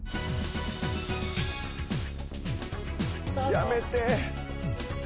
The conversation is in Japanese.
やめて。